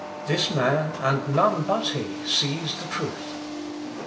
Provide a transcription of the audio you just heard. This man and none but he sees the truth."